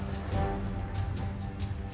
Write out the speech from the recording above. tuhan rakyat menunggu munggu berdaki